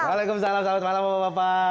waalaikumsalam selamat malam bapak bapak